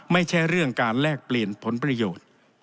ไม่ใช่เรื่องการแลกเปลี่ยนผลประโยชน์